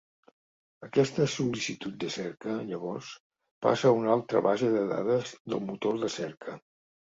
Aquesta sol·licitud de cerca, llavors, passa a una altra base de dades del motor de cerca.